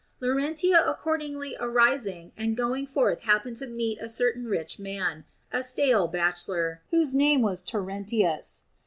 Laurentia accordingly arising and going forth happened to meet with a certain rich man, a stale bachelor, whose name was Taruntius.